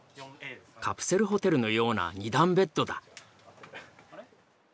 カプセルホテルのような二段ベッドだ。